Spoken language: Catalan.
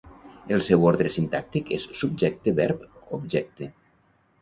El seu ordre sintàctic és subjecte-verb-objecte.